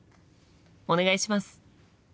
お願いします！